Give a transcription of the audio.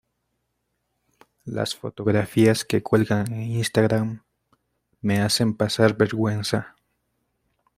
Las fotografías que cuelga en Instagram me hacen pasar vergüenza.